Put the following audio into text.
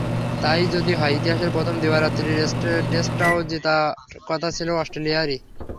তা-ই যদি হয়, ইতিহাসের প্রথম দিবারাত্রির টেস্টটাও জেতার কথা ছিল অস্ট্রেলিয়ারই।